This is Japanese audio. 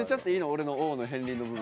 俺の王の片りんの部分。